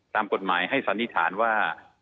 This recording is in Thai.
ตามกฎหมายให้สันนิษฐานว่า